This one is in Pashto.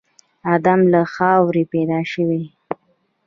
ادم له خاورې پيدا شوی و.